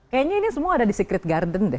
kayaknya ini semua ada di secret garden deh